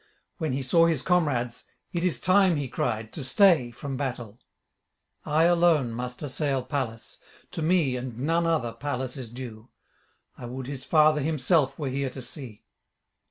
When he saw his comrades, 'It is time,' he cried, 'to stay from battle. I alone must assail Pallas; to me and none other Pallas is due; I would his father himself were here to see.'